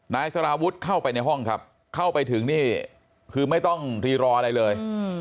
นายสารวุฒิเข้าไปในห้องครับเข้าไปถึงนี่คือไม่ต้องรีรออะไรเลย